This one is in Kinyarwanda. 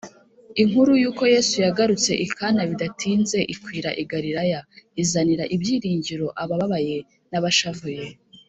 Inkuru yuko Yesu yagarutse i Kana bidatinze ikwira i Galilaya, izanira ibyiringiro abababaye n’abashavuye